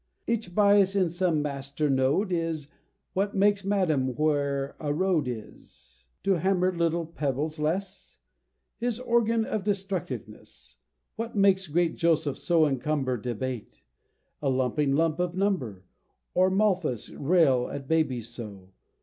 Each bias in some master node is: What takes M'Adam where a road is, To hammer little pebbles less? His organ of Destructiveness. What makes great Joseph so encumber Debate? a lumping lump of Number: Or Malthas rail at babies so?